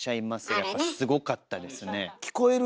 やっぱすごかったですね。ね！